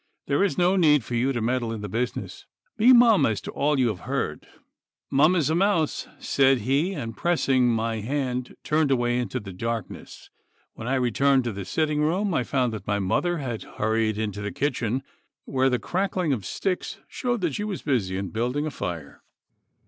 'There is no need for you to meddle in the business. Be mum as to all that you have heard.' 'Mum as a mouse,' said he, and pressing my hand turned away into the darkness. When I returned to the sitting room I found that my mother had hurried into the kitchen, where the crackling of sticks showed that she was busy in building a fire.